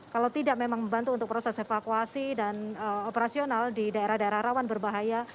kalau tidak memang membantu untuk proses evakuasi dan operasional di daerah daerah rawan berbahaya